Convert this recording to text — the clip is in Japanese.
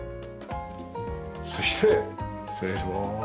そして失礼します。